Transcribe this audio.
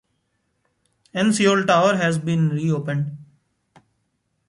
N Seoul Tower has been re-opened.